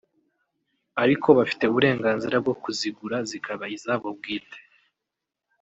ariko bafite uburenganzira bwo kuzigura zikaba izabo bwite